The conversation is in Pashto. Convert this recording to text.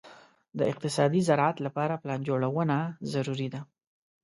د اقتصادي زراعت لپاره پلان جوړونه ضروري ده.